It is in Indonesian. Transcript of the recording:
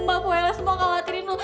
mbak poyla semua khawatirin lu